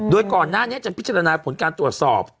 โดยก่อนหน้านี้จะพิจารณาผลการตรวจสอบ